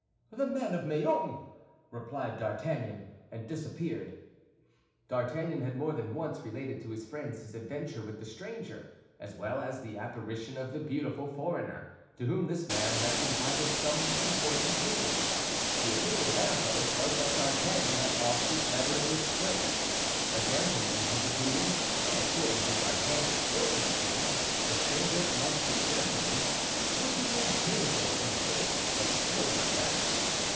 "The man of Meung!" replied D'Artagnan, and disappeared. D'Artagnan had more than once related to his friends his adventure with the stranger, as well as the apparition of the beautiful foreigner, to whom this man had confided some important missive. The opinion of Athos was that D'Artagnan had lost his letter in the skirmish. A gentleman, in his opinion—and according to D'Artagnan's portrait of him, the stranger must be a gentleman—would be incapable of the baseness of stealing a letter.